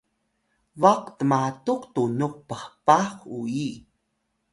baq tmatuk tunux phpah uyi